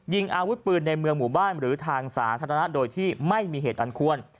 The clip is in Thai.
ยิงอาวุธปืนในเมืองหมู่บ้านหรือทางสาธารณะโดยที่ไม่มีเหตุอันควร